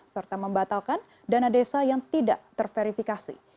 serta membatalkan dana desa yang tidak terverifikasi